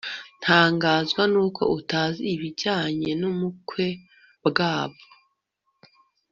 Ntangazwa nuko utazi ibijyanye nubukwe bwabo